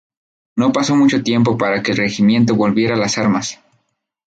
No pasó mucho tiempo para que el regimiento volviera a las armas.